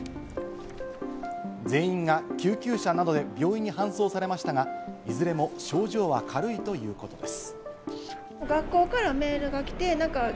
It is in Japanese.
全員が救急車などで病院に搬送されましたが、いずれも症状は軽いということです。